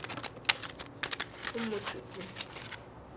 ụmụ Chukwu